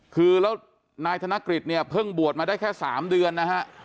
คือแล้วนายธนกฤษเนี่ยเพิ่งบวชมาได้แค่๓เดือนนะฮะ